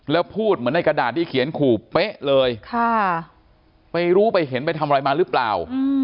แล้วพูดเหมือนในกระดาษที่เขียนขู่เป๊ะเลยไปรู้ไปเห็นไปทำอะไรมาหรือเปล่า